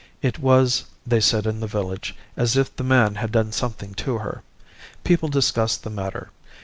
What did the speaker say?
It was, they said in the village, as if the man had done something to her. People discussed the matter.